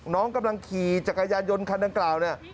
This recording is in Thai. น้องกำลังขี่จักรยานยนต์คันดังกล่าวเนี่ย